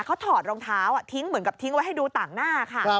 เขาถอดรองเท้าทิ้งเหมือนกับทิ้งไว้ให้ดูต่างหน้าค่ะ